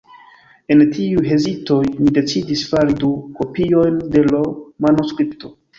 En tiuj hezitoj, mi decidis fari du kopiojn de l' manuskripto.